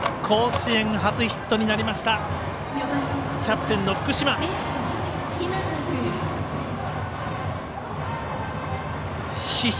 甲子園初ヒットになりましたキャプテンの福島です。